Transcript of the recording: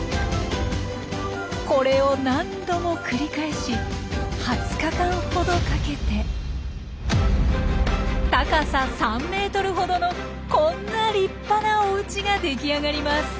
これを何度も繰り返し２０日間ほどかけて高さ３ｍほどのこんな立派なおうちが出来上がります。